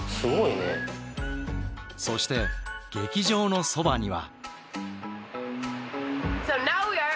そして劇場のそばには。